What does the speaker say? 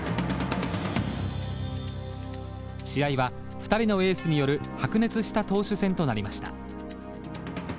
試合は２人のエースによる白熱した投手戦となりました。